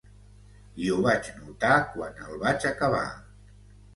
I ho vaig notar quan el vaig acabar.